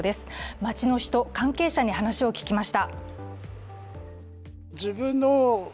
街の人、関係者に話を聞きました。